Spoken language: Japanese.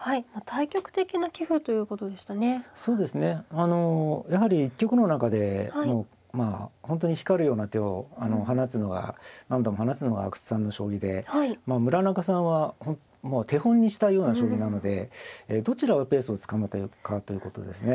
あのやはり一局の中で本当に光るような手を何度も放つのが阿久津さんの将棋で村中さんはもう手本にしたいような将棋なのでどちらがペースをつかむかということですね。